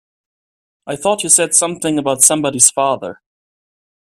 I thought you said something about somebody's father.